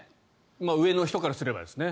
上の人からすればですね。